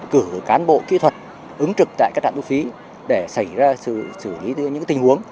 cử cán bộ kỹ thuật ứng trực tại các trạng thu phí để xảy ra những tình huống